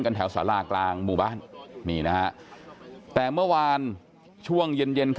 กันแถวสารากลางหมู่บ้านมีนะฮะแต่เมื่อวานช่วงเย็น